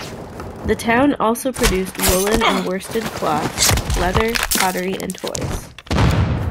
The town also produced woolen and worsted cloth, leather, pottery, and toys.